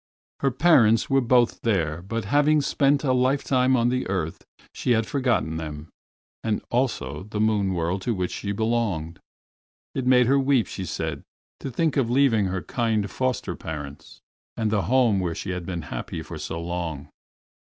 Her parents were both there, but having spent a lifetime on the earth she had forgotten them, and also the moon world to which she belonged. It made her weep, she said, to think of leaving her kind foster parents, and the home where she had been happy for so long.